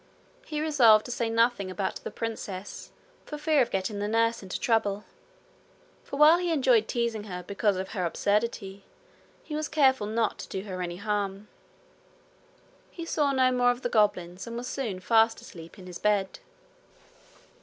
He resolved to say nothing about the princess for fear of getting the nurse into trouble, for while he enjoyed teasing her because of her absurdity, he was careful not to do her any harm. He saw no more of the goblins, and was soon fast asleep in his bed.